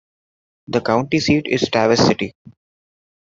The county seat is Tawas City.